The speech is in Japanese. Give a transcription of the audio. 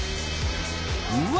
うわ！